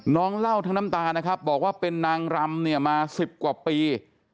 น้องเล่าทั้งน้ำตานะครับบอกว่าเป็นนางรำเนี่ยมา๑๐กว่าปี